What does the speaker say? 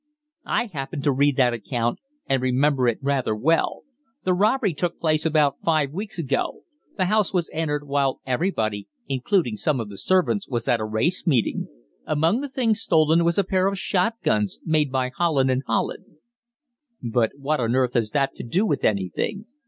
"I happened to read that account, and remember it rather well. The robbery took place about five weeks ago the house was entered while everybody, including some of the servants, was at a race meeting. Among the things stolen was a pair of shot guns made by Holland and Holland." "But what on earth has that to do with anything?